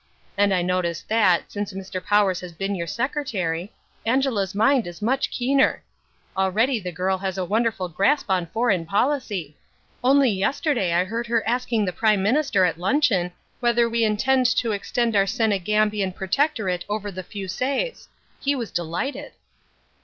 And I notice that, since Mr. Powers has been your secretary, Angela's mind is much keener. Already the girl has a wonderful grasp on foreign policy. Only yesterday I heard her asking the Prime Minister at luncheon whether we intend to extend our Senegambian protectorate over the Fusees. He was delighted."